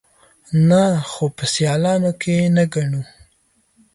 _نه، خو په سيالانو کې يې نه ګڼو.